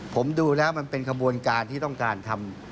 ผมดูแล้วมันเป็นขบวนการที่ต้องการทำ